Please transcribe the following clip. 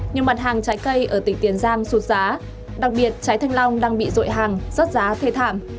nhiều mặt hàng trái cây ở tỉnh tiền giang sụt giá đặc biệt trái thanh long đang bị rội hàng rớt giá thê thảm